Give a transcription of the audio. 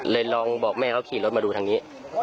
ลองบอกแม่เขาขี่รถมาดูทางนี้